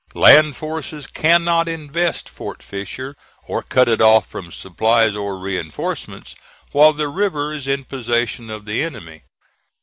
Land forces cannot invest Fort Fisher, or cut it off from supplies or reinforcements, while the river is in possession of the enemy.